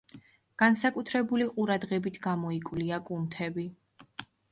განსაკუთრებული ყურადღებით გამოიკვლია კუნთები.